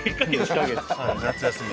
夏休み。